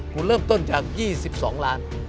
คุณเริ่มต้นจาก๒๒ล้าน